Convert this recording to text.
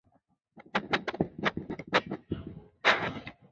蒙希圣埃卢瓦。